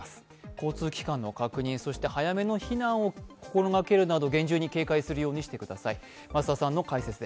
交通機関の確認、早めの避難を心がけるなど厳重に警戒するようにしてください。